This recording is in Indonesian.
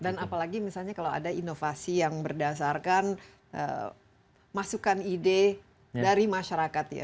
dan apalagi misalnya kalau ada inovasi yang berdasarkan masukan ide dari masyarakat ya